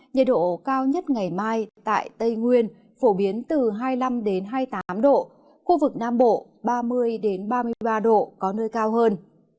nhiệt độ cao nhất ngày mai tại tây nguyên phổ biến từ hai mươi năm hai mươi tám độ khu vực nam bộ ba mươi ba mươi ba độ có nơi cao hơn